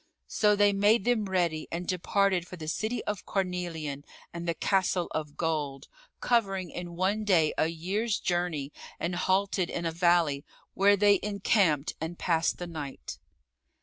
So they made them ready and departed for the City of Carnelian and the Castle of Gold, covering in one day a year's journey and halted in a valley, where they encamped and passed the night.